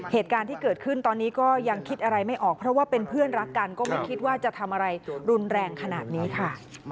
เหตุการณ์ที่เกิดขึ้นตอนนี้ก็ยังคิดอะไรไม่ออกเพราะว่าเป็นเพื่อนรักกันก็ไม่คิดว่าจะทำอะไรรุนแรงขนาดนี้ค่ะ